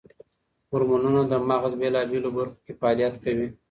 هورمونونه د مغز بېلابېلو برخو کې فعالیت کوي.